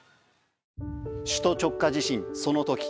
首都直下地震、その時。